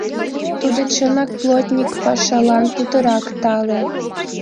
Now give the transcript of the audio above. Тудо, чынак, плотник пашалан путырак тале.